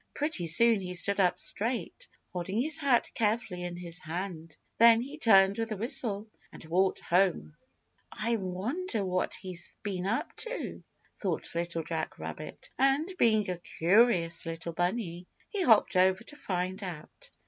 Pretty soon he stood up straight, holding his hat carefully in his hand. Then he turned with a whistle and walked home. "I wonder what he's been up to?" thought Little Jack Rabbit, and, being a curious little bunny, he hopped over to find out.